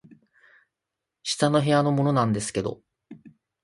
「下の部屋のものなんですけど」